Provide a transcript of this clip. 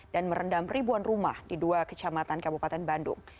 dan merendam ribuan rumah di dua kecamatan kabupaten bandung